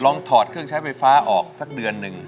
ถอดเครื่องใช้ไฟฟ้าออกสักเดือนหนึ่ง